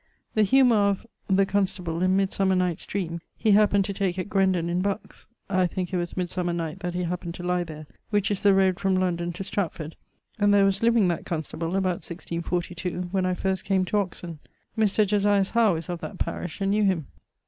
The humour of ... the constable, in Midsomernight's Dreame, he happened to take at Grendon in Bucks I thinke it was Midsomer night that he happened to lye there which is the roade from London to Stratford, and there was living that constable about 1642, when I first came to Oxon: Mr. Josias Howe is of that parish, and knew him.